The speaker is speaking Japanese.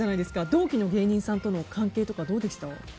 同期の芸人さんとの関係とかどうでした？